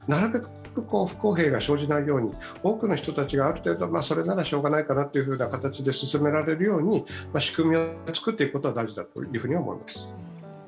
そういう中でこういう仕組みを取り入れたときになるべく不公平が生じないように、多くの人たちがある程度それならしょうがないかなというふうな形で進められるように仕組みを作っていくことが大事だと思います。